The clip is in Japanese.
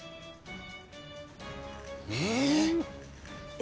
え。